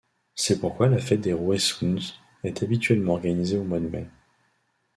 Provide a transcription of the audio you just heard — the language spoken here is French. C'est pourquoi la fête des Rouaisouns est habituellement organisée au mois de mai.